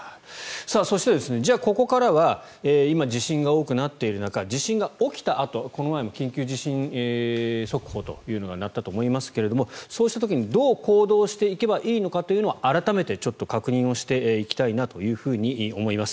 そして、じゃあここからは今、地震が多くなっている中地震が起きたあとこの前も緊急地震速報が鳴ったと思いますがそうした時に、どう行動すればいいのかということを改めて確認をしていきたいと思います。